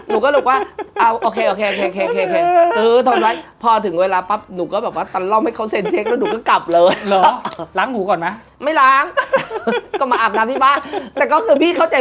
นี่คือผึสหนสมควรที่เราตกใจ